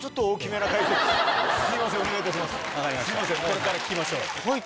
これから聞きましょう。